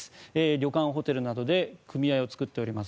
旅館、ホテルなどで組合を作っております